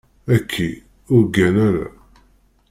Aki, ur ggan ara.